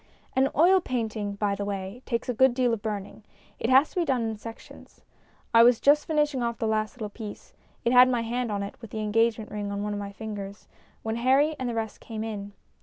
An oil painting, by the way, takes a good deal of burning : it has to be done in sections. I was just finishing off the last little piece ; it had MINIATURES 241 my hand on it with the engagement ring on one of the fingers, when Harry and the rest came in.